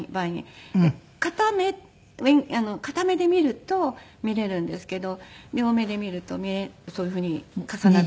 片目片目で見ると見れるんですけど両目で見るとそういうふうに重なって。